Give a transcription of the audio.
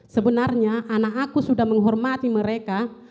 sebenarnya anak aku sudah menghormati mereka